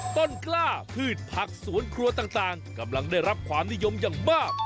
ต้นกล้าพืชผักสวนครัวต่างกำลังได้รับความนิยมอย่างมาก